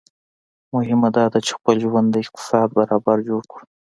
مهمه داده چي خپل ژوند د اقتصاد برابر جوړ کړو